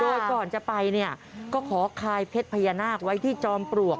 โดยก่อนจะไปเนี่ยก็ขอคายเพชรพญานาคไว้ที่จอมปลวก